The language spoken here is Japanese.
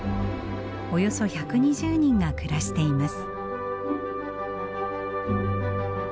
およそ１２０人が暮らしています。